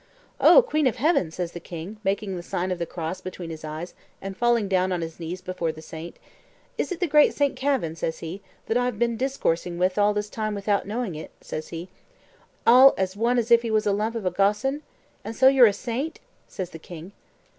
"Oh, queen of heaven!" says the king, making the sign of the cross between his eyes, and falling down on his knees before the saint; "is it the great Saint Kavin," says he, "that I've been discoursing all this time without knowing it," says he, "all as one as if he was a lump of a gossoon? and so you're a saint?" says the king.